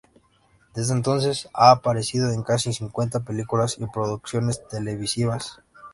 Desde entonces, ha aparecido en casi cincuenta películas y producciones televisivas.